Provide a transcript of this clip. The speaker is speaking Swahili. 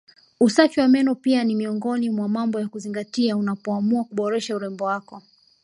Usafi wa meno pia ni miongoni mwa mambo ya kuzingatia unapoamua kuboresha urembo wako